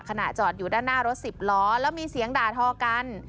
ขณะจอดอยู่ด้านหน้ารถสิบล้อแล้วมีเสียงด่าทอกัน